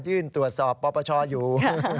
ยื่นตรวจสอบประประชาชน์อยู่